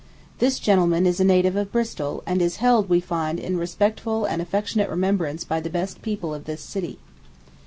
This gentleman is a native of Bristol, and is held, we find, in respectful and affectionate remembrance by the best people of this city.